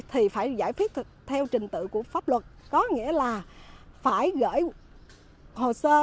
thì phải giải quyết thật theo trình tự của pháp luật có nghĩa là phải gửi hồ sơ